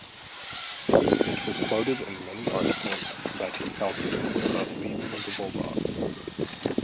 It was quoted in many articles that he "felt sick" about leaving the Bulldogs.